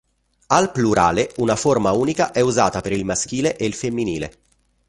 Al plurale, una forma unica è usata per il maschile e il femminile.